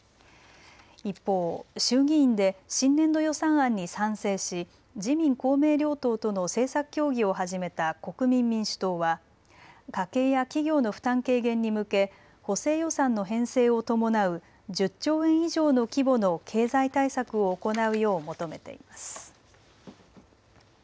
一方、衆議院で新年度予算案に賛成し自民・公明両党との政策協議を始めた国民民主党は家計や企業の負担軽減に向け補正予算の編成を伴う１０兆円以上の規模の経済対策を行うよう求めています。